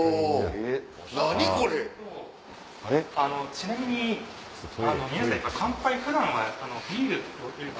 何これ⁉ちなみに皆さん乾杯普段はビールをよく。